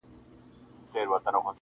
o د سپي دا وصیت مي هم پوره کومه,